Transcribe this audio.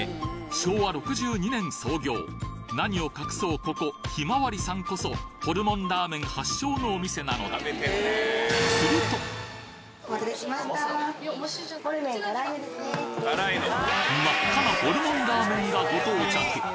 昭和６２年創業何を隠そうここひまわりさんこそホルモンラーメン発祥のお店なのだ真っ赤なホルモンラーメンがご到着！